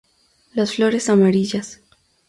Las flores amarillas.